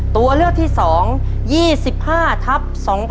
ตัวเลือกที่๒๒๕ทับ๒๕๖